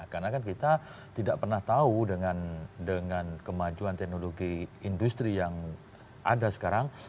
karena kan kita tidak pernah tahu dengan kemajuan teknologi industri yang ada sekarang